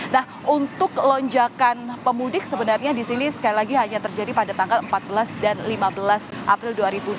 nah untuk lonjakan pemudik sebenarnya di sini sekali lagi hanya terjadi pada tanggal empat belas dan lima belas april dua ribu dua puluh